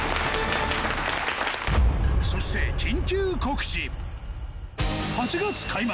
そして緊急告知！